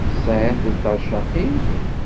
Tesɛid tiṭercaqin?